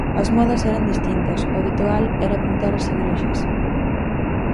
As modas eran distintas, o habitual era pintar as igrexas.